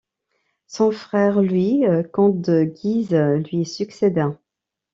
Son frère Louis, comte de Guise, lui succéda.